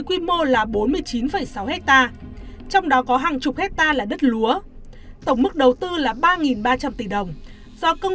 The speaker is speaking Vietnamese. quy mô là bốn mươi chín sáu ha trong đó có hàng chục hectare là đất lúa tổng mức đầu tư là ba ba trăm linh tỷ đồng do công